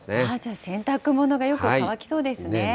じゃあ、洗濯物がよく乾きそうですね。